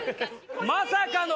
まさかの。